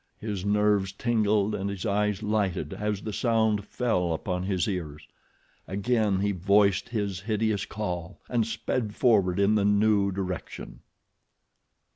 His nerves tingled and his eyes lighted as the sound fell upon his ears. Again he voiced his hideous call, and sped forward in the new direction.